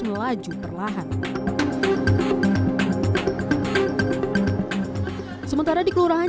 melaju perlahan sementara dikeluargaan